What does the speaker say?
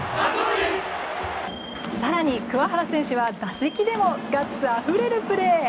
更に、桑原選手は打席でもガッツあふれるプレー。